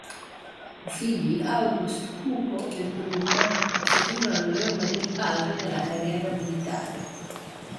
I figli August, Hugo e Bruno seguirono le orme del padre nella carriera militare.